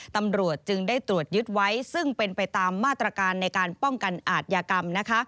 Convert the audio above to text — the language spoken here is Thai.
ตำรวจจึงได้ตรวจยึดไว้ซึ่งเป็นไปตามมาตรการในการป้องกันอาทยากรรมนะคะ